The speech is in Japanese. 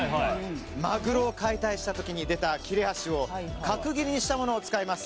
マグロを解体した時に出た切れ端を角切りにしたものを使います。